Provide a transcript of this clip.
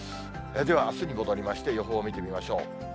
では、あすに戻りまして、予報見てみましょう。